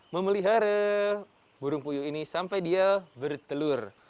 memelihara burung puyuh ini sampai dia bertelur